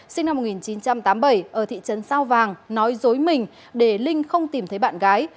sinh năm một nghìn chín trăm tám mươi bảy ở thị trấn sao vàng nói dối mình để linh không tìm thấy bạn gái